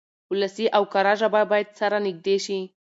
ولسي او کره ژبه بايد سره نږدې شي.